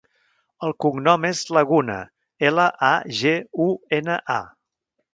El cognom és Laguna: ela, a, ge, u, ena, a.